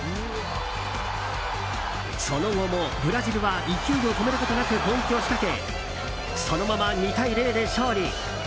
その後もブラジルは勢いを止めることなく攻撃を仕掛けそのまま２対０で勝利。